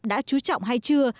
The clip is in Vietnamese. đã trú trọng hay chưa